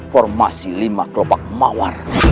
formasi lima kelopak mawar